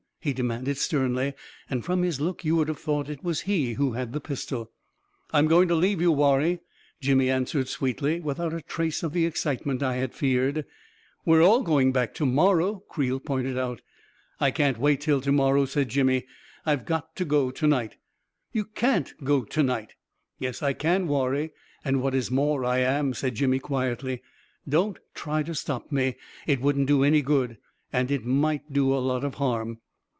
he demanded sternly, and from his look you would have thought it was he who had the pistol. II I'm going to leave you, Warrie," Jimmy an swered sweetly, without a trace of the excitement I had feared. "We are all going back to morrow," Creel pointed out. II I can't wait till to morrow," said Jimmy. " IVc got to go to night." " You carit go to night." " Yes, I can, Warrie — and what is more, I am ! ,f said Jimmy quietly. u Don't try to stop me. It wouldn't do any good — and it might do a lot of harm."